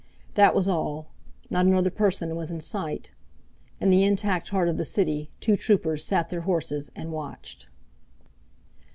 That was all. Not another person was in sight. In the intact heart of the city two troopers sat their horses and watched.